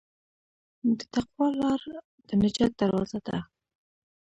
د تقوی لاره د نجات دروازه ده.